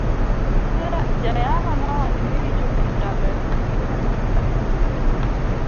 Jayalo nowacho ni richo te chalre onge maduong kata matin.